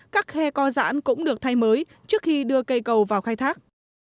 các khe co giãn cũng được thay mới trước khi đưa cây cầu vào khai thác